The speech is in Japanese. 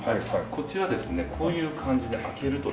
こちらですねこういう感じで開けるとですね